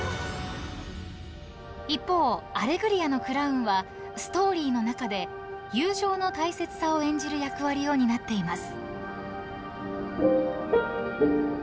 ［一方『アレグリア』のクラウンはストーリーの中で友情の大切さを演じる役割を担っています］